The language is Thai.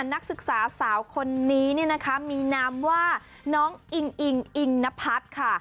นักศึกษาสาวคนนี้มีนามว่าน้องอิงอิงนพัฒน์ค่ะ